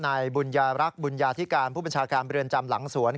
ในบุญญาณรักบุญญาณอธิการผู้ประชาการเบือนจำหลังสวน